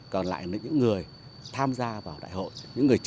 còn lại là những người tham gia vào đại hội